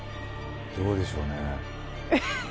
どうでしょうね。